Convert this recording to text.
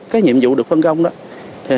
cái nhiệm vụ được phân công đó